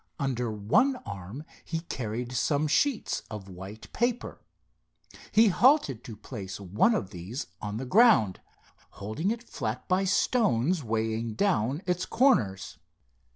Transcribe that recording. Under one arm he carried some sheets of white paper. He halted to place one of these on the ground, holding it flat by stones weighing down its corners.